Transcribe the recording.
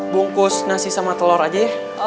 bungkus nasi sama telur aja ya